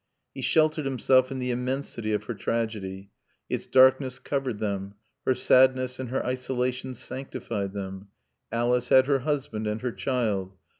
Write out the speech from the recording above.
He sheltered himself in the immensity of her tragedy. Its darkness covered them. Her sadness and her isolation sanctified them. Alice had her husband and her child.